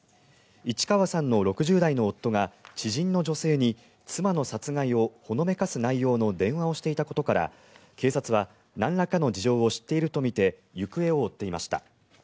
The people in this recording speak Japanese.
市川さんの６０代の夫が知人の女性に妻の殺害をほのめかす内容の電話をしていたことから警察は、なんらかの事情を知っているとみて行方を追っていました。